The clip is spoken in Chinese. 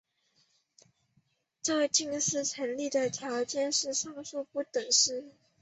这近似成立的条件是上述不等式。